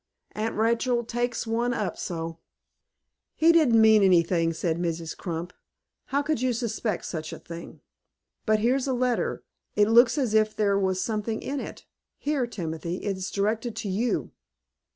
"Aunt Rachel takes one up so." "He didn't mean anything," said Mrs. Crump. "How could you suspect such a thing? But here's a letter. It looks as if there was something in it. Here, Timothy, it is directed to you."